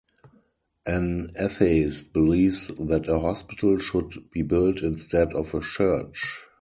An atheist believes that a hospital should be built instead of a church.